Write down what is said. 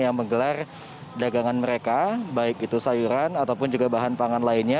yang menggelar dagangan mereka baik itu sayuran ataupun juga bahan pangan lainnya